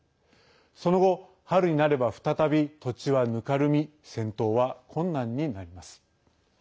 その後、春になれば再び土地はぬかるみ戦闘は困難になります。